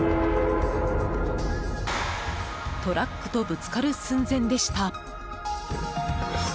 トラックとぶつかる寸前でした。